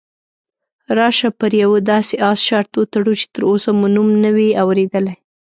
راشه پر یوه داسې اس شرط وتړو چې تراوسه مو نوم نه وي اورېدلی.